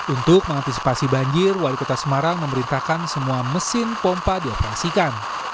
untuk mengantisipasi banjir wali kota semarang memerintahkan semua mesin pompa dioperasikan